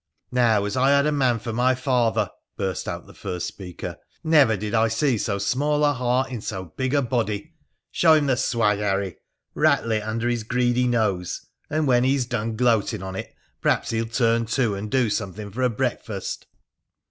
' Now, as I had a man for my father,' burst out the first speaker, ' never did I see so small a heart in so big a body I Show him the swag, Harry ! rattle it under his greedy nose ! and when he has done gloating on it perhaps he'll turn to and do something for a breakfast